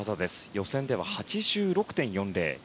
予選では８６．４０。